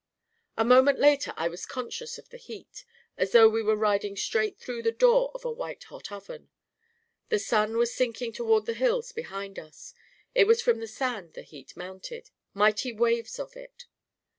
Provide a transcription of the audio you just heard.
A moment later, I was conscious of .the heat — as though we were riding straight through the door of a white hot oven. The sun was sinking toward the hills behind us; it was from the sand the heat mounted — mighty waves of it.